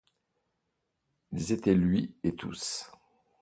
Il était lui et tous.